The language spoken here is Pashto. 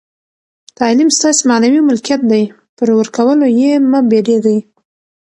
تعلیم ستاسي معنوي ملکیت دئ، پر ورکولو ئې مه بېرېږئ!